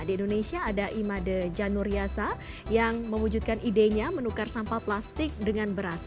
di indonesia ada imade janur yasa yang mewujudkan idenya menukar sampah plastik dengan beras